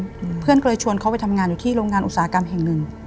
อืมเพื่อนเคยชวนเขาไปทำงานอยู่ที่โรงงานอุตสาหกรรมแห่งหนึ่ง